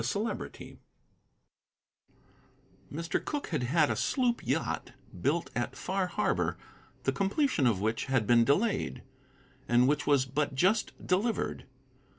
CHAPTER X Mr. Cooke had had a sloop yacht built at Far Harbor, the completion of which had been delayed, and which was but just delivered.